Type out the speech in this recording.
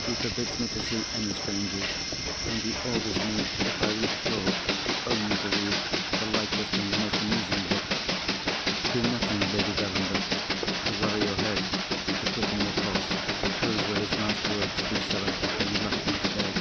He forbids me to see any strangers; and he orders me, if I read at all, only to read the lightest and the most amusing books. 'Do nothing, Lady Verinder, to weary your head, or to quicken your pulse'—those were his last words, Drusilla, when he left me today."